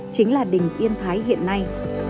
chính là đình yên thái hiện nay